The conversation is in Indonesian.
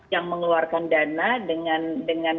yang mengeluarkan dana dengan